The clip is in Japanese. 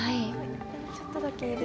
ちょっとだけいる。